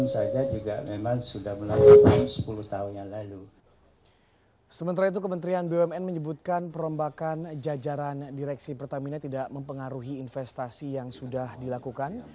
sementara itu kementerian bumn menyebutkan perombakan jajaran direksi pertamina tidak mempengaruhi investasi yang sudah dilakukan